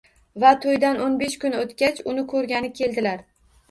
Va to'ydan o'n besh kun o'tgach, uni ko'rgani keldilar.